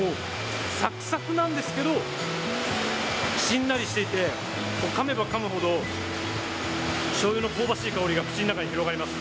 サクサクなんですけどしんなりしていてかめばかむほどしょうゆの香ばしい香りが口の中に広がります。